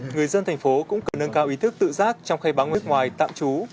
người dân thành phố cũng cần nâng cao ý thức tự giác trong khai báo nước ngoài tạm trú